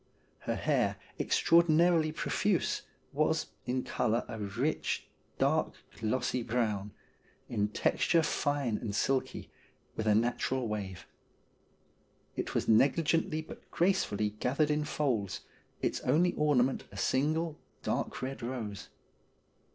Her hair, extraordinarily profuse, was, in colour, a rich dark, glossy brown ; in texture fine and silky, with a natural wave. It was negligently but gracefully gathered in folds, its only ornament a single dark red rose.